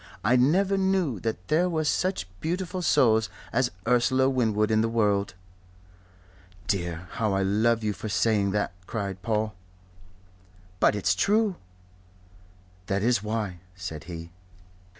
I never knew that there were such beautiful souls as Ursula Winwood in the world." "Dear, how I love you for saying that!" cried Paul. "But it's true." "That is why," said he.